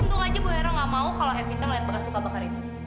untung aja bu hera nggak mau kalau evita ngeliat bekas luka bakar itu